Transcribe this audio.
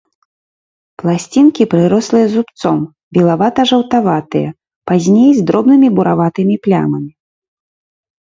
Пласцінкі прырослыя зубцом, белавата-жаўтаватыя, пазней з дробнымі бураватымі плямамі.